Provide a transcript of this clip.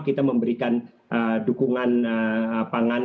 kita memberikan dukungan pangan